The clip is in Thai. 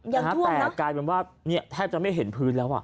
ยังธวมนะแต่กลายเป็นว่าแทบจะไม่เห็นพื้นแล้ว